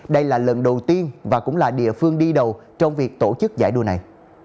đây là lần đầu tiên và cũng là địa phương đi đầu trong việc tổ chức giải đua này